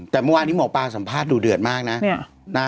แต่เมื่อวานนี้หมอปลาสัมภาษณ์ดูเดือดมากนะ